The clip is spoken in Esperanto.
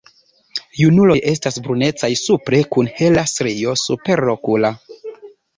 Junuloj estas brunecaj supre kun hela strio superokula.